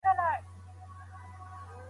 د ښځو لاسي کارونه وپیرئ.